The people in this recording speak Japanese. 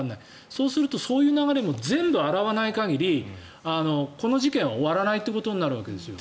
そうすると、そういう流れも全部洗わない限りこの事件は終わらないということになるんです。